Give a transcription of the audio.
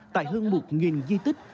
tại hơn một di tích